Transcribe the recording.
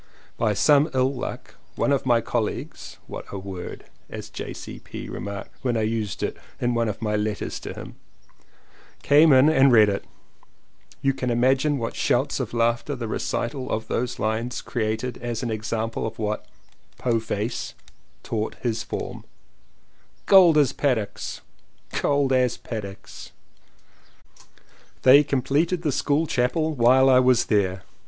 By some ill luck one of my colleagues (what a word! as J.C.P. remarked when I used it in one of my letters to him) came in and read it. You can imagine what shouts of laughter the recital of those lines created as an example of what 'To face" taught his form. "Cold as paddocks! cold as paddocks \" They completed the school chapel while I was there.